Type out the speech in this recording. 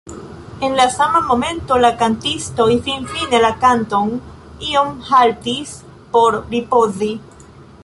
En la sama momento la kantistoj, fininte la kanton, iom haltis por ripozi.